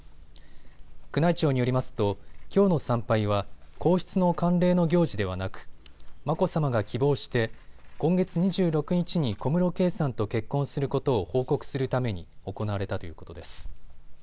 宮内庁によりますときょうの参拝は皇室の慣例の行事ではなく、眞子さまが希望して今月２６日に小室圭さんと結婚することを報告するために行われたということです。